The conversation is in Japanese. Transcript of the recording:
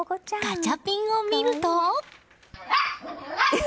ガチャピンを見ると。